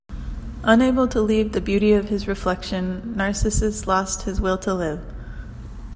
Unable to leave the beauty of his reflection, Narcissus lost his will to live.